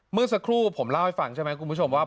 เมื่อสักครู่ผมเล่าให้ฟังใช่ไหมคุณผู้ชมว่า